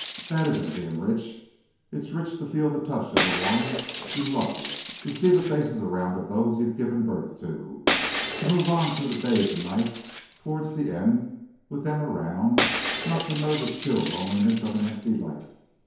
That isn't being rich. It's rich to feel the touch of the one you love, to see the faces around of those you've given birth to, to move on through the days and nights towards the end, with them around; not to know the chill loneliness of an empty life.